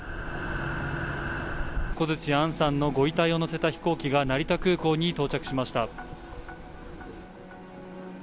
小槌杏さんのご遺体を乗せた飛行機が成田空港に到着しました。